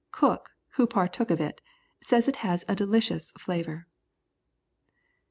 Cook, who partook of it, says it has a delicious flavour.